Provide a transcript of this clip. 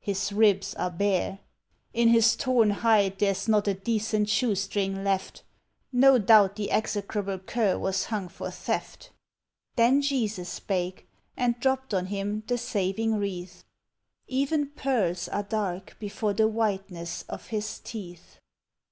"His ribs are bare!" "In his torn hide there's not a decent shoestring left, No doubt the execrable cur was hung for theft." Then Jesus spake, and dropped on him the saving wreath: "Even pearls are dark before the whiteness of his teeth."